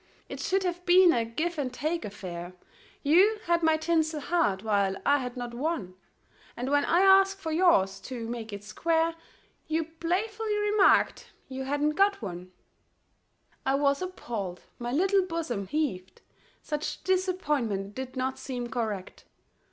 It should have been a give and take affair; You had my tinsel heart, while I had not one, And when I asked for yours, to make it square, You playfully remarked you hadn't got one. 26 A VALENTINE I was appalled my little bosom heaved Such disappointment did not seem correct.